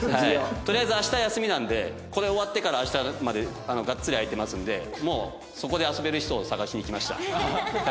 とりあえず明日休みなのでこれ終わってから明日までガッツリ空いてますのでもうそこで遊べる人を探しに来ました。